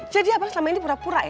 jadi abang selama ini pura pura ya